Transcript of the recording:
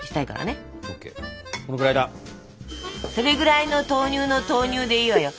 それぐらいの豆乳の投入でいいわよ。